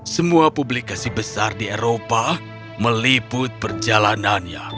semua publikasi besar di eropa meliput perjalanannya